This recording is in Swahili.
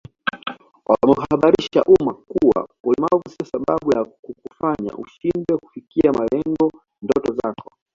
Wameuhabarisha umma kuwa ulemavu sio sababu ya kukufanya ushindwe kufikia malengo ndoto zako